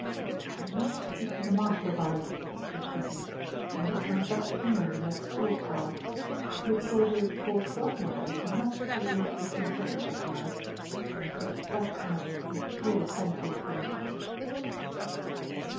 "I must speak to the Marshal about it," she was thinking, "and have her sent back to England in that stork car. The poor dear Court Godmother is much too ill to be consulted just now. I have just that much to be truly thankful for!"